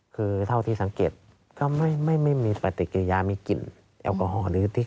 คือเท่าที่สังเกตก็ไม่มีปัดติดอย่ายมีกลิ่นแอลกอฮอล์